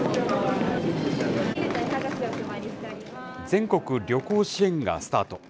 全国旅行支援がスタート。